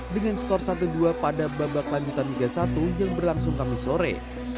dengan skor satu dua pada babak lanjutan liga satu yang berlangsung kami sore